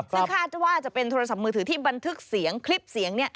ซึ่งคาดว่าจะเป็นโทรศัพท์มือถือที่บันทึกเสียงคลิปเสียง